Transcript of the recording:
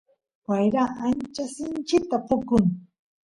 wayra ancha sinchita pukun